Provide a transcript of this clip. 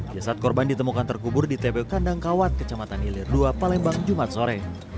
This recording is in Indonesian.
jasad korban ditemukan terkubur di tpu kandang kawat kecamatan ilir dua palembang jumat sore